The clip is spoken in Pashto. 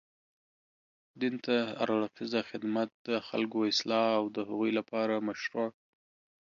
دين ته هر اړخيزه خدمت، د خلګو اصلاح او د هغوی لپاره مشروع